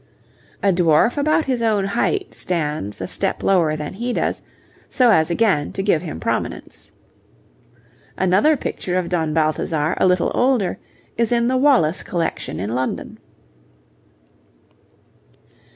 A dwarf about his own height stands a step lower than he does, so as again to give him prominence. Another picture of Don Balthazar a little older is in the Wallace Collection in London.